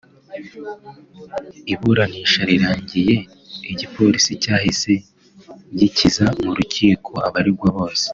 Iburanisha rirangiye igipolisi cyahise gikikiza mu rukiko abaregwa bose